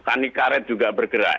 tani karet juga bergerak